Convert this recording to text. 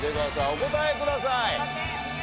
お答えください。